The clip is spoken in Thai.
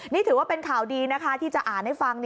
นี่ถือว่าเป็นข่าวดีนะคะที่จะอ่านให้ฟัง